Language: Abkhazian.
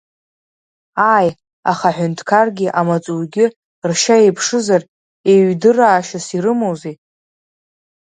Ааи, аха аҳәынҭқаргьы амаҵуҩгьы ршьа еиԥшызар, еиҩдыраашьас ирымои?